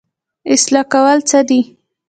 اصلاح کول څه دي؟